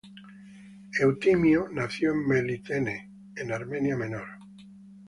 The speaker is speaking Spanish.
Eutimio nació en Melitene en Armenia Menor.